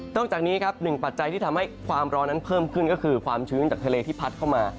จากนี้ครับหนึ่งปัจจัยที่ทำให้ความร้อนนั้นเพิ่มขึ้นก็คือความชื้นจากทะเลที่พัดเข้ามา